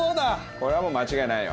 これはもう間違いないよ。